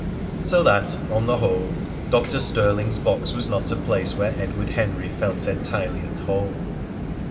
So that, on the whole, Dr. Stirling's box was not a place where Edward Henry felt entirely at home.